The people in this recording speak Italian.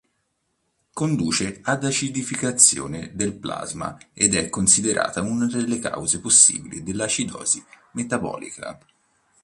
Conduce ad acidificazione del plasma ed è considerata una delle cause possibili dell'acidosi metabolica.